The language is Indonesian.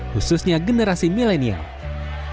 khususnya generasi milenial